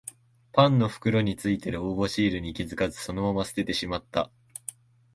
パンの袋についてる応募シールに気づかずそのまま捨ててしまった